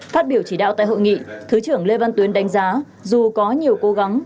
phát biểu chỉ đạo tại hội nghị thứ trưởng lê văn tuyến đánh giá dù có nhiều cố gắng